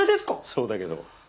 そうだけど。